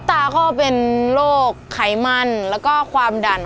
ตาก็เป็นโรคไขมันแล้วก็ความดัน